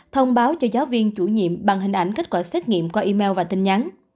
thông báo cho giáo viên chủ nhiệm bằng hình ảnh kết quả xét nghiệm qua email và tin nhắn